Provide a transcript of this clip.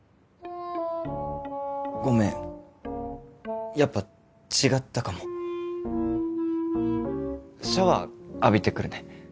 ごめんやっぱ違ったかもシャワー浴びてくるね